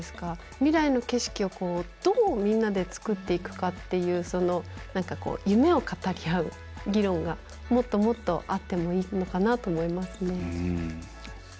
未来の景色をどうみんなでつくっていくかっていうその夢を語り合う議論がもっともっとあってもいいのかなと思いますね。